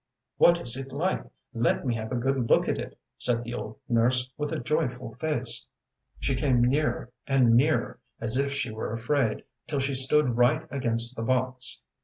ŌĆ£What is it like? Let me have a good look at it, ŌĆØ said the old nurse, with a joyful face. She came nearer and nearer, as if she were afraid, till she stood right against the box.